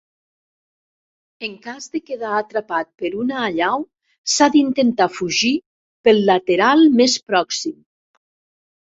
En cas de quedar atrapat per una allau, s'ha d'intentar fugir pel lateral més pròxim.